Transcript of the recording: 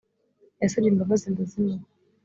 yasabye imbabazi ndazimuha